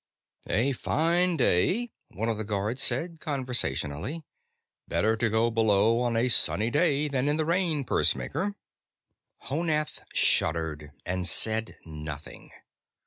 "A fine day," one of the guards said, conversationally. "Better to go below on a sunny day than in the rain, pursemaker." Honath shuddered and said nothing.